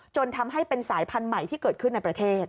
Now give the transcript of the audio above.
จนทำให้เป็นสายพันธุ์ใหม่ที่เกิดขึ้นในประเทศ